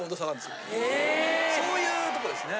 そういうとこですね。